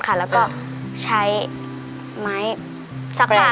ขาหนูหนีบไว้